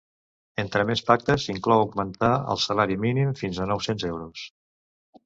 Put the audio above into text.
Entre més pactes, inclou augmentar el salari mínim fins a nou-cents euros.